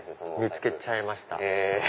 見つけちゃいました。